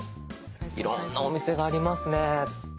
いろんなお店がありますね。